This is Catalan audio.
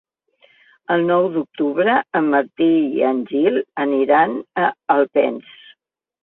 El nou d'octubre en Martí i en Gil aniran a Alpens.